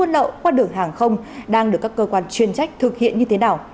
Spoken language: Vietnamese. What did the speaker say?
các đối tượng muôn lậu qua đường hàng không đang được các cơ quan chuyên trách thực hiện như thế nào